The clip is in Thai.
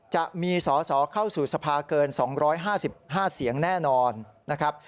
จะมีสอสอเข้าสู่สภาเกิน๒๕๕เสียงแน่นอนนะครับ